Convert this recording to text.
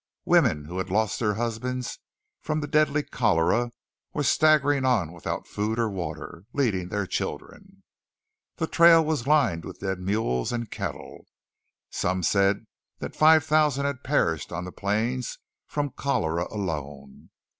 Women who had lost their husbands from the deadly cholera were staggering on without food or water, leading their children. The trail was lined with dead mules and cattle. Some said that five thousand had perished on the plains from cholera alone.